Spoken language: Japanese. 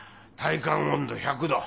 体感温度１００℃。